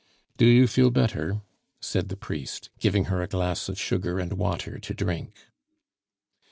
"Do you feel better?" said the priest, giving her a glass of sugar and water to drink.